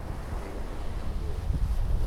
Anda ay ten-tennuɣem?